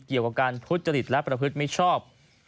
เกี่ยวกับการทุจริตและประพฤติมิชชอบ